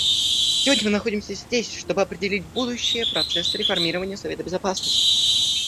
Сегодня мы находимся здесь, чтобы определить будущее процесса реформирования Совета Безопасности.